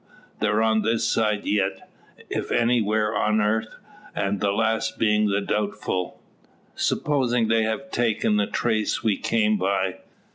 They're on this side yit, if anywhar on airth; the last bein' the doubtful." "Supposin' they've taken the trace we came by?